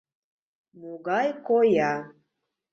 Могай коя.